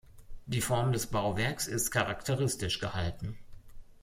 Die Form des Bauwerks ist charakteristisch gehalten.